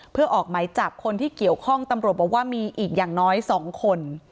เพื่อออกหมายจับคนที่เกี่ยวข้องตำรวจบอกว่ามีอีกอย่างน้อย๒คน